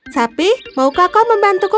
sapi mau kakau membantuku